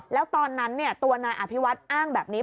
แล้วตอนนั้นตัวนายอภิวัฒน์อ้างแบบนี้